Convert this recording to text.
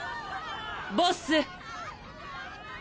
ボッス。